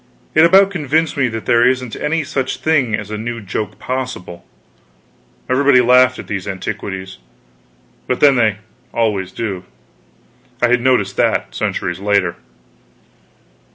It about convinced me that there isn't any such thing as a new joke possible. Everybody laughed at these antiquities but then they always do; I had noticed that, centuries later.